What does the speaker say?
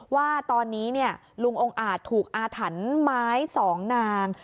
ว่าตอนนี้ลุงองค์อาจถูกอาถรรพ์ไม้สองนาง